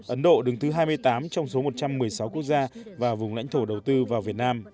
ấn độ đứng thứ hai mươi tám trong số một trăm một mươi sáu quốc gia và vùng lãnh thổ đầu tư vào việt nam